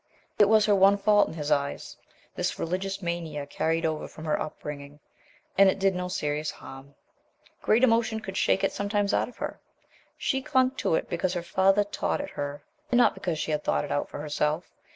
It was her one fault in his eyes, this religious mania carried over from her upbringing, and it did no serious harm. Great emotion could shake it sometimes out of her. She clung to it because her father taught it her and not because she had thought it out for herself.